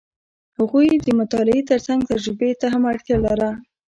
هغوی د مطالعې ترڅنګ تجربې ته هم اړتیا لري.